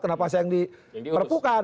kenapa saya yang diperpukan